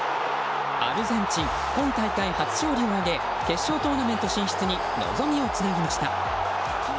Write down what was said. アルゼンチン今大会初勝利を挙げ決勝トーナメント進出に望みをつなぎました。